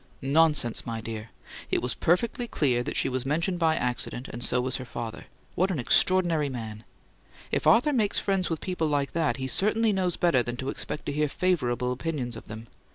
"Nonsense, my dear! It was perfectly clear that she was mentioned by accident, and so was her father. What an extraordinary man! If Arthur makes friends with people like that, he certainly knows better than to expect to hear favourable opinions of them.